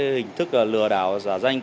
hình thức lừa đảo giả danh